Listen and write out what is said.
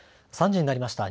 ３時になりました。